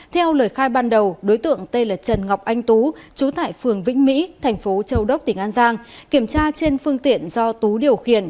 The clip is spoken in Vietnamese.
theo lời khai ban đầu đối tượng tên là trần ngọc anh tú trú tại phường vĩnh mỹ thành phố châu đốc tỉnh an giang kiểm tra trên phương tiện do tú điều khiển